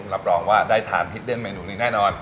รับรองว่าได้ทานฮิตเด้นเมนูนี้แน่นอน